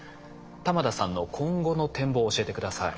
玉田さんの今後の展望を教えて下さい。